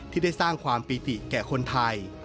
ที่ได้สร้างความปิติแก่คนไทย